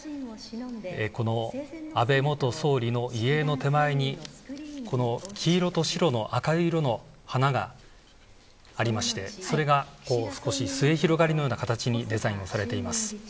この安倍元総理の遺影の手前に黄色と白と赤い色の花がありましてそれが少し末広がりのような形にデザインされています。